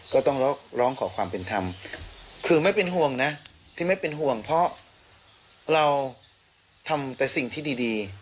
ก็ต้องร้องขอความเป็นธรรมคือไม่เป็นห่วงนะที่ไม่เป็นห่วงเพราะเราทำแต่สิ่งที่ดี